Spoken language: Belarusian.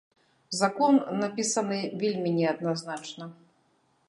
Закон напісаны вельмі неадназначна.